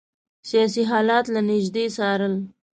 سیاسي حالات له نیژدې څارل.